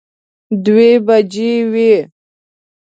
دوه بجې وې.